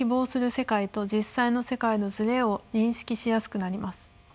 世界と実際の世界のずれを認識しやすくなります。